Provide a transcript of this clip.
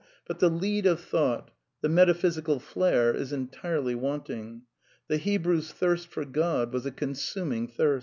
But the lead of thought, the metaphysical flair, is entirely wanting. The Hebrew's thirst for God was a consuming thirst.